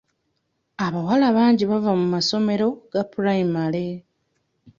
Abawala bangi bava mu masomero ga pulayimale.